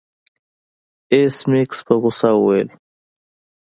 ایس میکس په غوسه وویل